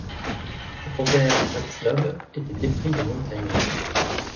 Robert Redslob était épris des montagnes.